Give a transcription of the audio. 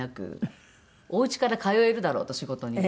おうちから通えるだろうと仕事に。